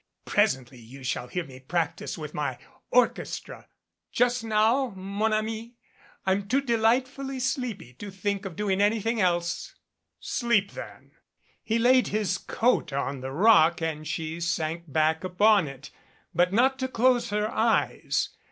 Presently you shall hear me practice with my orchestra. Just now, mon ami, I'm too delightfully sleepy to think of doing anything else." "Sleep, then." He laid his coat on the rock, and she sank back upon it, but not to close her eyes.